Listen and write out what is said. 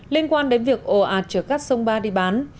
liên quan đến việc ồ ạt trở cắt sông ba đi bán